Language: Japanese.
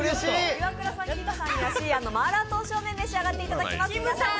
イワクラさん、キムさんにはマーラー刀削麺を召し上がっていただきます。